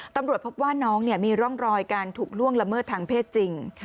ตำรวจพบว่าน้องมีร่องรอยการถูกล่วงละเมิดทางเพศจริง